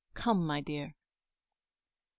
Come, my dear." Mr.